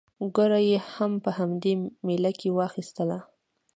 ګوړه یې هم په همدې مېله کې واخیستله.